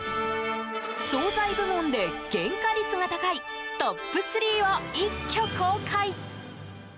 総菜部門で原価率が高いトップ３を一挙公開。